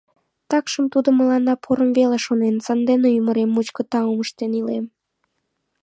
Такшым, тудо мыланна порым веле шонен, сандене ӱмырем мучко таум ыштен илем.